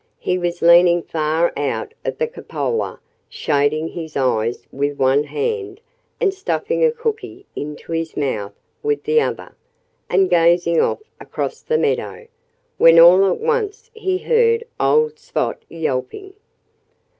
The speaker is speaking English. He was leaning far out of the cupola, shading his eyes with one hand, and stuffing a cookie into his mouth with the other, and gazing off across the meadow, when all at once he heard old Spot yelping.